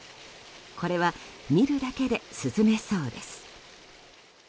これは見るだけで涼めそうです。